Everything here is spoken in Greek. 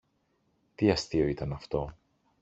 Τι αστείο ήταν αυτό